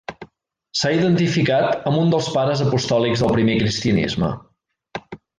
S'ha identificat amb un dels pares apostòlics del primer cristianisme.